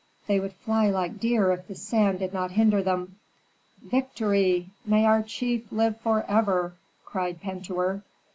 "They would fly like deer if the sand did not hinder them." "Victory! May our chief live forever!" cried Pentuer.